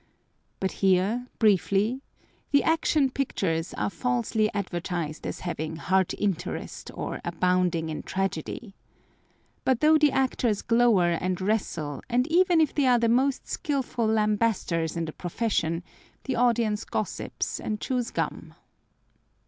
But here, briefly: the Action Pictures are falsely advertised as having heart interest, or abounding in tragedy. But though the actors glower and wrestle and even if they are the most skilful lambasters in the profession, the audience gossips and chews gum.